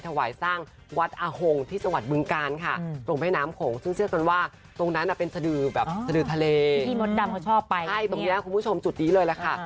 ไห้แล้วคุณผู้ชมจุตนี้เลยละค่ะ